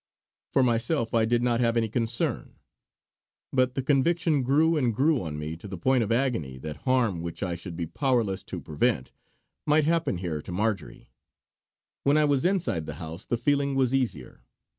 For myself I did not have any concern; but the conviction grew and grew on me to the point of agony that harm which I should be powerless to prevent might happen here to Marjory. When I was inside the house the feeling was easier.